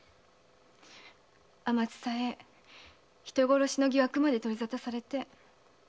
あまつさえ人殺しの疑惑まで取り沙汰されて。